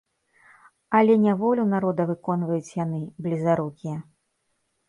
Але не волю народа выконваюць яны, блізарукія.